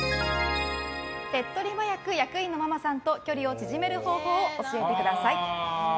手っ取り早く役員のママさんと距離を縮める方法を教えてください。